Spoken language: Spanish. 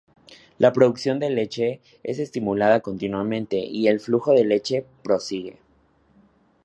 La producción de leche es estimulada continuamente y el flujo de leche prosigue.